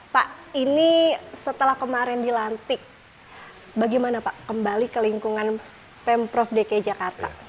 pak ini setelah kemarin dilantik bagaimana pak kembali ke lingkungan pemprov dki jakarta